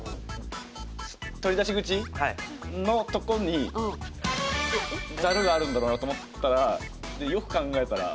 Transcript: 取り出し口？のとこにざるがあるんだろうなと思ったらでよく考えたら。